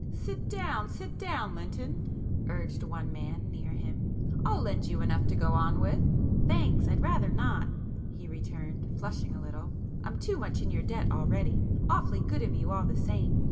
"Sit down, sit down, Lynton!" urged one man near him. "I'll lend you enough to go on with." "Thanks, I'd rather not!" he returned, flushing a little. [p 109] "I'm too much in your debt already. Awfully good of you all the same.